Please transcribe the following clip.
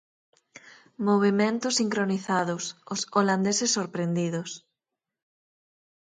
Movementos sincronizados, os holandeses sorprendidos.